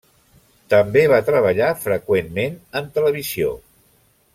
També va treballar freqüentment en televisió.